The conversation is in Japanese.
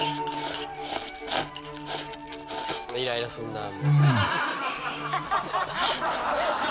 イライラすんなあ。